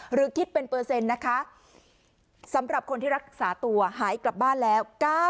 หรือคิดเป็นเปอร์เซ็นต์นะคะสำหรับคนที่รักษาตัวหายกลับบ้านแล้ว